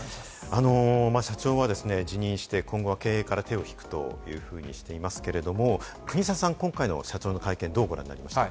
社長はですね辞任して今後、経営から手を引くというふうにしていますけれども、国沢さん、今回の社長の会見どうご覧になりましたか？